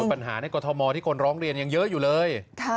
ปัญหาในกรทมที่คนร้องเรียนยังเยอะอยู่เลย